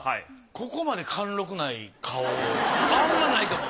ここまで貫禄ない花押あんまないと思う。